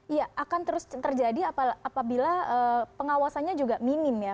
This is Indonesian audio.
iya akan terus terjadi apabila pengawasannya juga minim ya